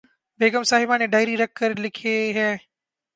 بیگم صاحبہ نے ڈائری رکھ کر لکھے ہیں